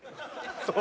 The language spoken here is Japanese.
そう。